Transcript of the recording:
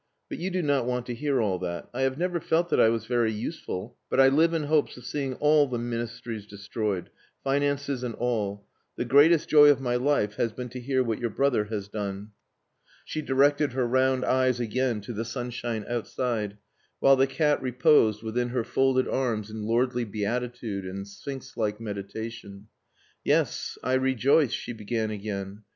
But you do not want to hear all that. I have never felt that I was very useful, but I live in hopes of seeing all the Ministries destroyed, finances and all. The greatest joy of my life has been to hear what your brother has done." She directed her round eyes again to the sunshine outside, while the cat reposed within her folded arms in lordly beatitude and sphinx like meditation. "Yes! I rejoiced," she began again.